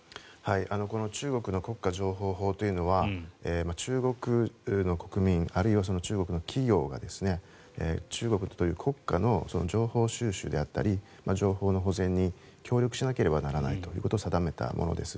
この中国の国家情報法というのは中国の国民あるいは中国の企業が中国という国家の情報収集であったり情報の保全に協力しなければならないということを定めたものです。